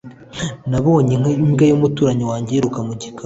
Nabonye imbwa y'umuturanyi wanjye yiruka mu gikari.